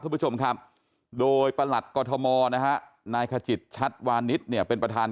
ทุกผู้ชมครับโดยประหลัดกล่อธนายขจิตชัทวานิทเป็นประธาน